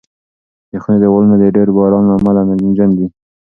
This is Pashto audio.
د خونې دېوالونه د ډېر باران له امله نمجن دي.